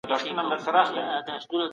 دولت د اقتصاد په وده کي مرسته کوي.